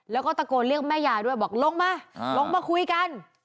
แล้วก็ตะโกนเรียกแม่ยายด้วยบอกลงมาลงมาคุยกัน